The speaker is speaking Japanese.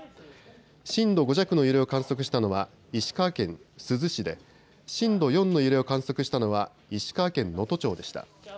震度５弱の揺れを観測したのは石川県珠洲市で震度４の揺れを観測したのは石川県能登町でした。